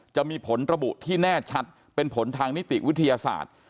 จะมีผลระบุที่แน่ชัดเป็นผลทางนิติวิทยาศาสตร์